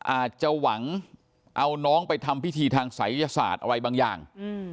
อาจจะหวังเอาน้องไปทำพิธีทางศัยศาสตร์อะไรบางอย่าง